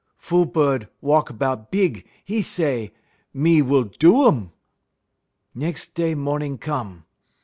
"Fool bud walk 'bout big; 'e say: "'Me will do um!' "Nex' day mornin' come.